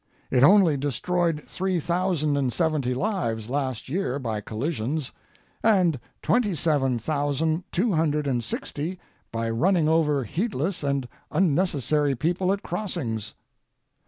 It only destroyed three thousand and seventy lives last year by collisions, and twenty seven thousand two hundred and sixty by running over heedless and unnecessary people at crossings.